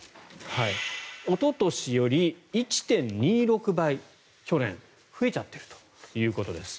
おととしより１．２６倍去年増えちゃってるということです。